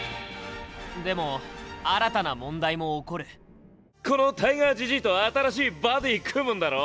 でも新たな問題も起こるこのタイガーじじいと新しいバディ組むんだろ？